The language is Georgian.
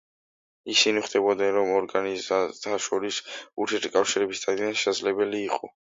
ისინი ხვდებოდნენ, რომ ორგანიზმთა შორის ურთიერთკავშირების დადგენა შესაძლებელი იყო.